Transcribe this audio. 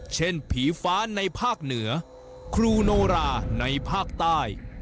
ผีฟ้าในภาคเหนือครูโนราในภาคใต้